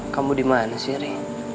kamu dimana sih ri